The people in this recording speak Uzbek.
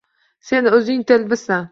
Sen o’zing telbasan!..